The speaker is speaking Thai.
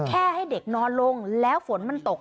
ให้เด็กนอนลงแล้วฝนมันตก